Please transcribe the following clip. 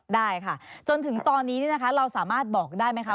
ได้ค่ะจนถึงตอนนี้เราสามารถบอกได้ไหมคะ